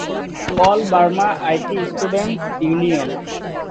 All Burma IT students union.